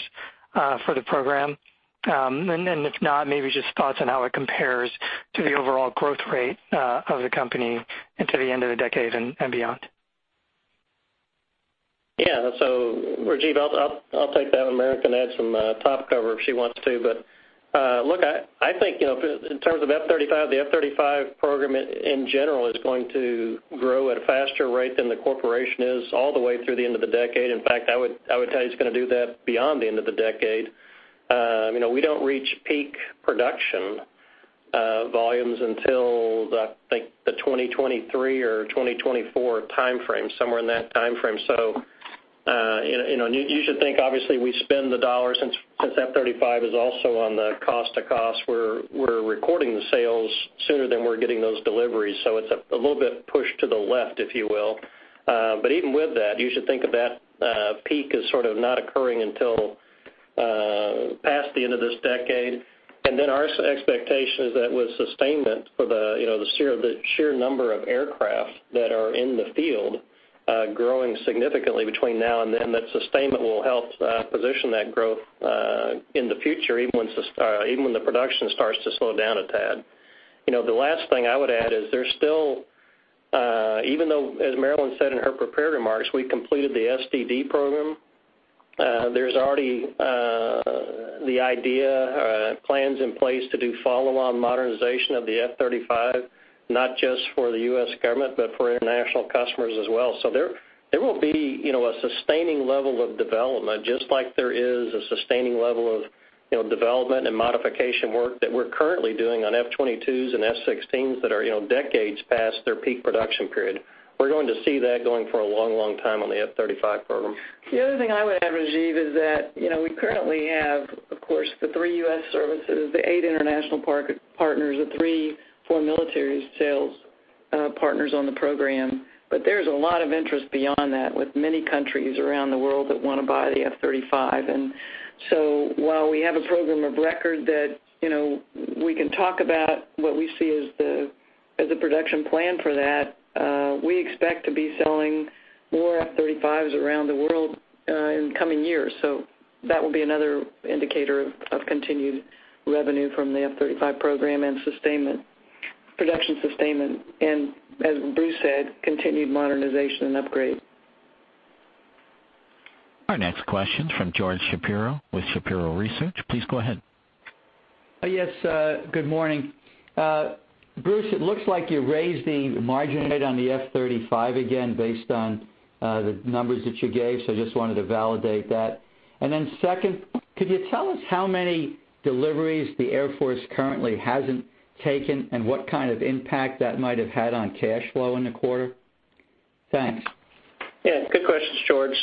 for the program? Then if not, maybe just thoughts on how it compares to the overall growth rate of the company into the end of the decade and beyond. Yeah. Rajeev, I'll take that one. Marillyn can add some top cover if she wants to. Look, I think, in terms of F-35, the F-35 program in general is going to grow at a faster rate than the corporation is all the way through the end of the decade. In fact, I would tell you it's going to do that beyond the end of the decade. We don't reach peak production volumes until, I think, the 2023 or 2024 timeframe, somewhere in that timeframe. You should think, obviously, we spend the dollar since F-35 is also on the cost to cost. We're recording the sales sooner than we're getting those deliveries, so it's a little bit pushed to the left, if you will. Even with that, you should think of that peak as sort of not occurring until past the end of this decade. Then our expectation is that with sustainment for the sheer number of aircraft that are in the field growing significantly between now and then, that sustainment will help position that growth in the future, even when the production starts to slow down a tad. The last thing I would add is, even though, as Marillyn said in her prepared remarks, we completed the SDD program, there's already the idea, plans in place to do follow-on modernization of the F-35, not just for the U.S. government, but for international customers as well. There will be a sustaining level of development, just like there is a sustaining level of development and modification work that we're currently doing on F-22s and F-16s that are decades past their peak production period. We're going to see that going for a long time on the F-35 program. The other thing I would add, Rajeev, is that we currently have, of course, the three U.S. services, the eight international partners, the three foreign military sales partners on the program. There's a lot of interest beyond that with many countries around the world that want to buy the F-35. While we have a program of record that we can talk about what we see as the production plan for that, we expect to be selling more F-35s around the world in coming years. That will be another indicator of continued revenue from the F-35 program and production sustainment, and as Bruce said, continued modernization and upgrade. Our next question from George Shapiro with Shapiro Research. Please go ahead. Yes, good morning. Bruce, it looks like you raised the margin rate on the F-35 again based on the numbers that you gave. I just wanted to validate that. Second, could you tell us how many deliveries the Air Force currently hasn't taken, and what kind of impact that might have had on cash flow in the quarter? Thanks. Yeah. Good questions, George.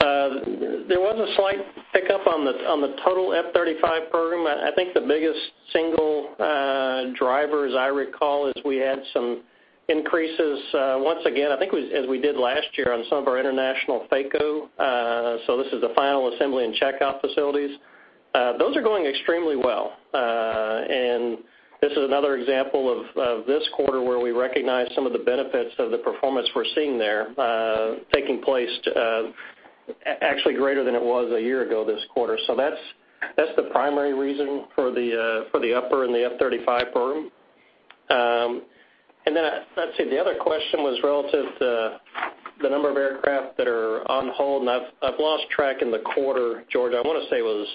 There was a slight pickup on the total F-35 program. I think the biggest single driver, as I recall, is we had some increases, once again, I think as we did last year on some of our international FACO. This is the final assembly and checkout facilities. Those are going extremely well. This is another example of this quarter where we recognize some of the benefits of the performance we're seeing there taking place, actually greater than it was a year ago this quarter. That's the primary reason for the upper in the F-35 program. Let's see, the other question was relative to the number of aircraft that are on hold, and I've lost track in the quarter, George. I want to say it was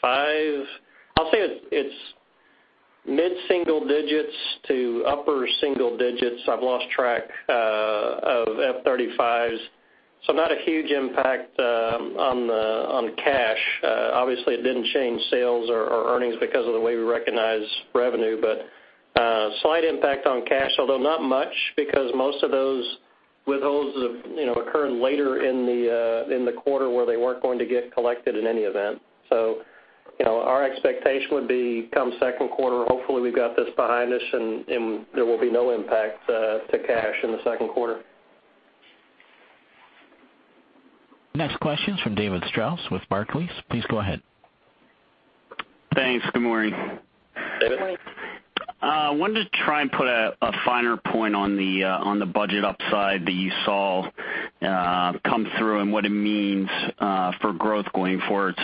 five. I'll say it's mid-single digits to upper single digits. I've lost track of F-35s. Not a huge impact on cash. Obviously, it didn't change sales or earnings because of the way we recognize revenue. Slight impact on cash, although not much because most of those withholds occur later in the quarter where they weren't going to get collected in any event. Our expectation would be come second quarter, hopefully, we've got this behind us, and there will be no impact to cash in the second quarter. Next question is from David Strauss with Barclays. Please go ahead. Thanks. Good morning. David. Wanted to try and put a finer point on the budget upside that you saw come through and what it means for growth going forward.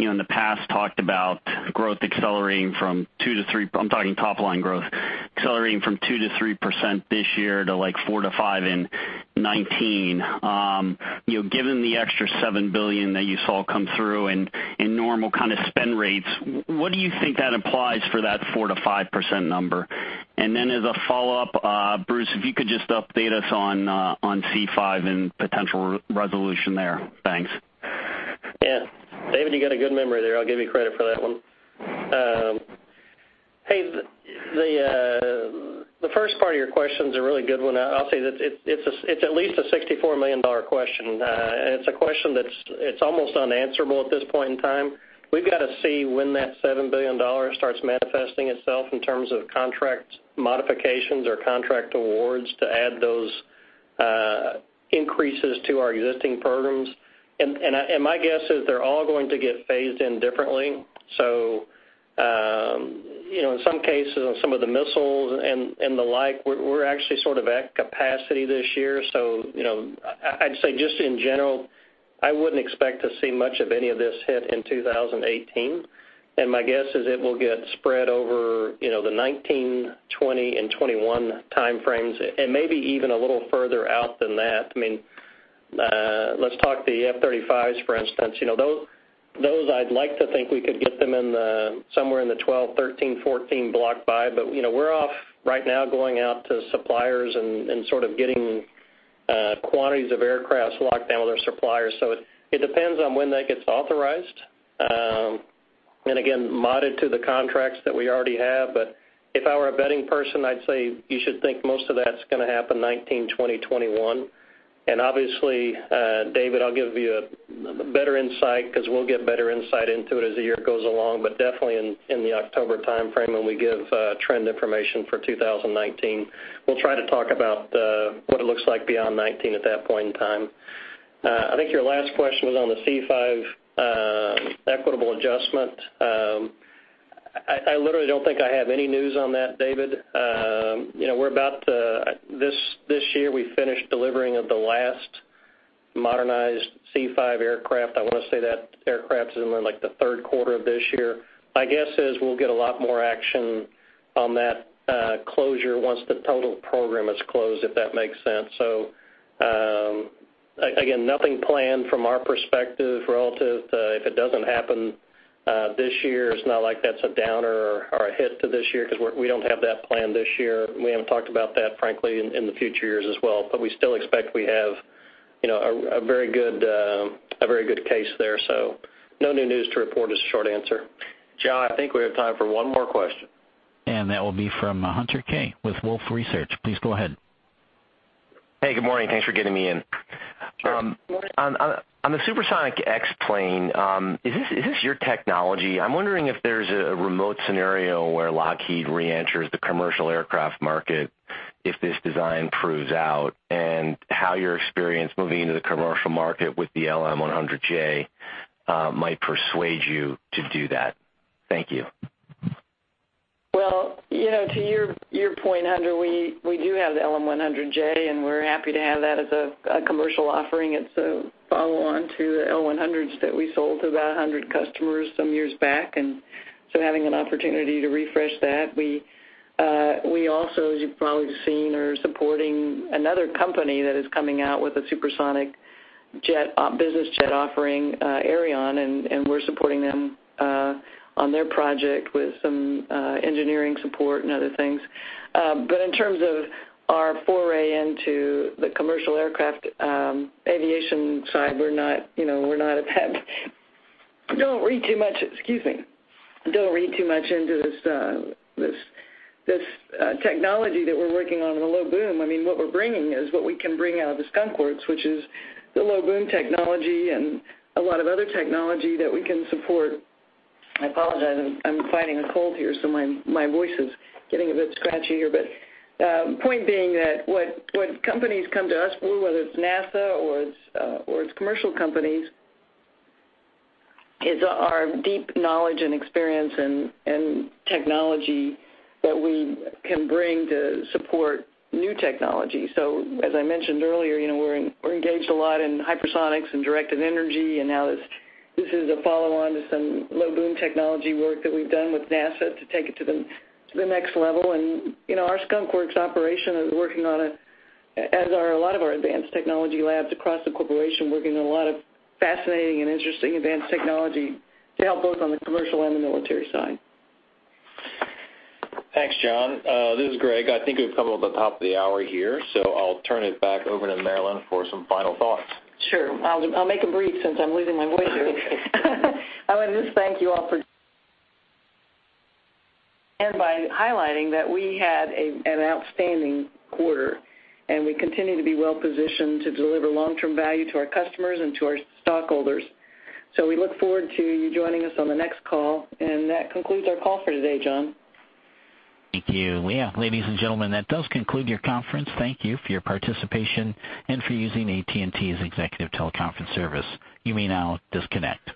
You've obviously, in the past talked about growth accelerating from two to three, I'm talking top line growth, accelerating from two to three percent this year to like four to five in 2019. Given the extra $7 billion that you saw come through and normal kind of spend rates, what do you think that implies for that four to five percent number? And then as a follow-up, Bruce, if you could just update us on C-5 and potential resolution there. Thanks. Yeah. David, you got a good memory there. I'll give you credit for that one. Hey, the first part of your question is a really good one. I'll say that it's at least a $64 million question. It's a question that's almost unanswerable at this point in time. We've got to see when that $7 billion starts manifesting itself in terms of contract modifications or contract awards to add those increases to our existing programs. My guess is they're all going to get phased in differently. In some cases, on some of the missiles and the like, we're actually sort of at capacity this year. I'd say just in general, I wouldn't expect to see much of any of this hit in 2018. My guess is it will get spread over the 2019, 2020, and 2021 time frames and maybe even a little further out than that. Let's talk the F-35s, for instance. Those, I'd like to think we could get them somewhere in the 2012, 2013, 2014 block buy, but we're off right now going out to suppliers and sort of getting quantities of aircraft locked down with our suppliers. It depends on when that gets authorized. Again, modded to the contracts that we already have. If I were a betting person, I'd say you should think most of that's going to happen 2019, 2020, 2021. Obviously, David, I'll give you a better insight because we'll get better insight into it as the year goes along. Definitely in the October time frame, when we give trend information for 2019, we'll try to talk about what it looks like beyond 2019 at that point in time. I think your last question was on the C-5 equitable adjustment. I literally don't think I have any news on that, David. This year, we finished delivering of the last modernized C-5 aircraft. I want to say that aircraft is in the third quarter of this year. My guess is we'll get a lot more action on that closure once the total program is closed, if that makes sense. Again, nothing planned from our perspective relative to if it doesn't happen this year, it's not like that's a downer or a hit to this year because we don't have that planned this year. We haven't talked about that, frankly, in the future years as well. We still expect we have a very good case there. No new news to report is the short answer. John, I think we have time for one more question. That will be from Hunter Keay with Wolfe Research. Please go ahead. Hey, good morning. Thanks for getting me in. Sure. On the Supersonic X-plane, is this your technology? I'm wondering if there's a remote scenario where Lockheed reenters the commercial aircraft market if this design proves out, and how your experience moving into the commercial market with the LM-100J might persuade you to do that. Thank you. Well, to your point, Hunter, we do have the LM-100J, and we're happy to have that as a commercial offering. It's a follow-on to the L-100s that we sold to about 100 customers some years back, so having an opportunity to refresh that. We also, as you've probably seen, are supporting another company that is coming out with a supersonic business jet offering, Aerion, and we're supporting them on their project with some engineering support and other things. In terms of our foray into the commercial aircraft aviation side, don't read too much into this technology that we're working on in the low boom. What we're bringing is what we can bring out of the Skunk Works, which is the low boom technology and a lot of other technology that we can support. I apologize. I'm fighting a cold here, my voice is getting a bit scratchy here. The point being that what companies come to us for, whether it's NASA or it's commercial companies, is our deep knowledge and experience and technology that we can bring to support new technology. As I mentioned earlier, we're engaged a lot in hypersonics and directed energy, and now this is a follow-on to some low boom technology work that we've done with NASA to take it to the next level. Our Skunk Works operation is working on it, as are a lot of our advanced technology labs across the corporation, working on a lot of fascinating and interesting advanced technology to help both on the commercial and the military side. Thanks, John. This is Greg. I think we've come up to the top of the hour here, so I'll turn it back over to Marillyn for some final thoughts. Sure. I'll make them brief since I'm losing my voice here. I want to just thank you all for and by highlighting that we had an outstanding quarter, and we continue to be well-positioned to deliver long-term value to our customers and to our stockholders. We look forward to you joining us on the next call. That concludes our call for today, John. Thank you. Ladies and gentlemen, that does conclude your conference. Thank you for your participation and for using AT&T as Executive Teleconference Service. You may now disconnect.